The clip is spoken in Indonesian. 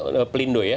n pelindo ya